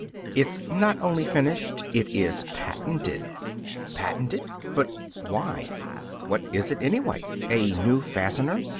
It's not only finished; it is patented." "Patented! But why? What is it, anyway? A new fastener?